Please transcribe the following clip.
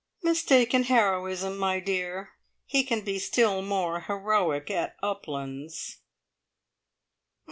"Mistaken heroism, my dear. He can be still more heroic at `Uplands'."